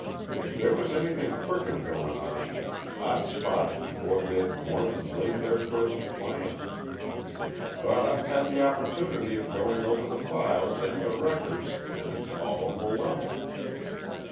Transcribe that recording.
If there was anything crooked going on, I'd spot it before they'd more than laid their first plans. But I've had the opportunity of going over the files and the records and it's all on the level."